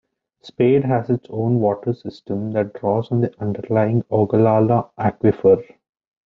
Spade has its own water system that draws on the underlying Ogallala Aquifer.